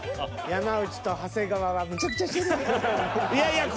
山内と長谷川はむちゃくちゃしてるやん。